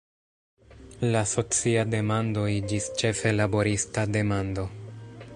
La socia demando iĝis ĉefe laborista demando.